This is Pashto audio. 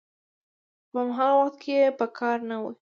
خو په هماغه وخت کې یې په کار نه وي